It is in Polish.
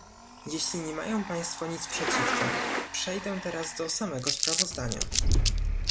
Jeśli nie mają państwo nic przeciwko, przejdę teraz do samego sprawozdania